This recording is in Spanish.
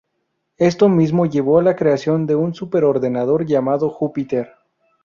Esto mismo llevó a la creación de un superordenador llamado "Jupiter".